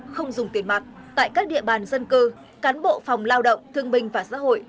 không dùng tiền mặt tại các địa bàn dân cư cán bộ phòng lao động thương binh và xã hội